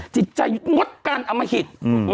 จิตใจงดการอมหิต